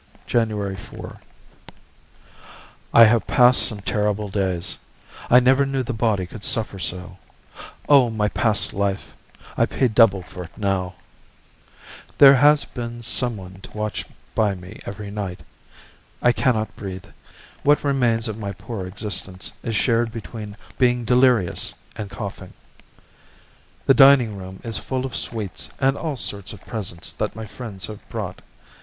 January 4. I have passed some terrible days. I never knew the body could suffer so. Oh, my past life! I pay double for it now. There has been someone to watch by me every night; I can not breathe. What remains of my poor existence is shared between being delirious and coughing. The dining room is full of sweets and all sorts of presents that my friends have brought.